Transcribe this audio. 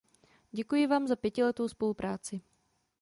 Děkuji vám za pětiletou spolupráci.